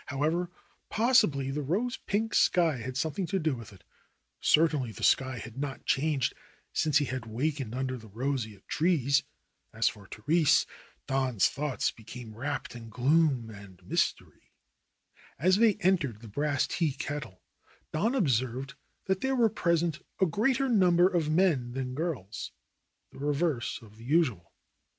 However, possibly the rose pink sky had something to do with it. Certainly the sky had not changed since he had wakened under the roseate trees. As for Therese, Don's thoughts became wrapped in gloom and mystery. As they entered the Brass Tea Kettle Don observed that there were present a greater number of men than girls, the reverse of the usual.